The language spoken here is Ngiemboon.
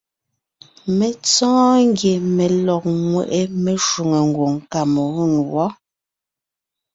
Mé tsɔ́ɔn ngie mé lɔg ńŋweʼe meshwóŋè ngwòŋ Kamalûm wɔ́.